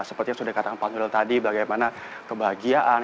seperti yang sudah dikatakan pak nuril tadi bagaimana kebahagiaan